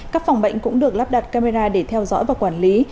các phòng bệnh cũng được lắp đặt camera để theo dõi và quản lý